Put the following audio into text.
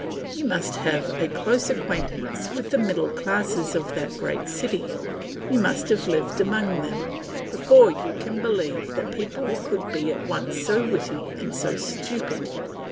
You must have a close acquaintance with the middle classes of that great city, you must have lived among them, before you can believe that people could be at once so witty and so stupid.